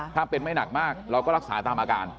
ถ้าเป็นไม่หนักมากเราก็รักษาตามอาการ